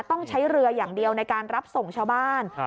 ต้องใช้เรืออย่างเดียวในการรับส่งชาวบ้าน